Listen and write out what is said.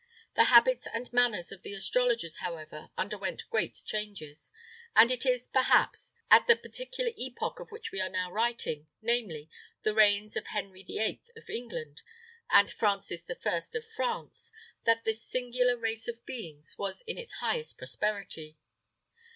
The habits and manners of the astrologers, however, underwent great changes; and it is, perhaps, at the particular epoch of which we are now writing, namely, the reigns of Henry the Eighth of England and Francis the First of France, that this singular race of beings was in its highest prosperity.